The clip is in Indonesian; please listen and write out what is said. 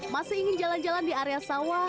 masih ingin jalan jalan di area sawah